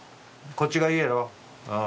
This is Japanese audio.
こっちがいいやろ？